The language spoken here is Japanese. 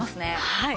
はい。